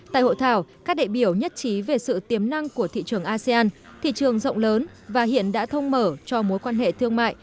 tại hội thảo các đại biểu nhất trí về sự tiềm năng của thị trường asean thị trường rộng lớn và hiện đã thông mở cho mối quan hệ thương mại